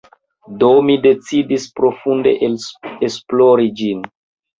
Do mi decidis profunde esplori ĝin.